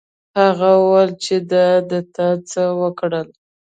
هغه وویل چې دا تا څه وکړل.